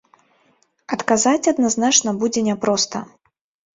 Адказаць адназначна будзе няпроста.